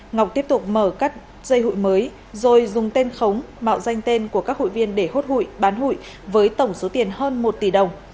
ngọc tiếp tục mở các dây hụi mới rồi dùng tên khống mạo danh tên của các hụi viên để hốt hụi bán hụi với tổng số tiền hơn một tỷ đồng